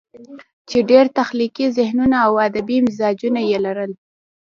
چې ډېر تخليقي ذهنونه او ادبي مزاجونه ئې لرل